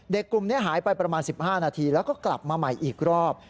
เด็กกลุ่มหายไปประมาณสิบห้านาทีและกลับมาอีกรอบ